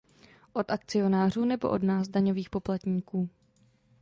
Od akcionářů nebo od nás, daňových poplatníků?